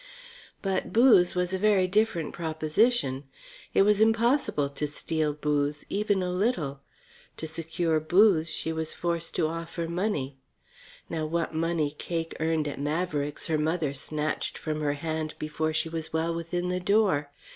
But booze was a very different proposition. It was impossible to steal booze even a little. To secure booze she was forced to offer money. Now what money Cake earned at Maverick's her mother snatched from her hand before she was well within the door.